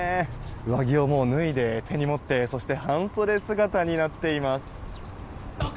上着をもう脱いで、手に持ってそして半袖姿になっています。